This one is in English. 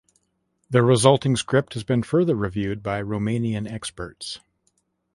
The resulting script has been further reviewed by Romanian experts.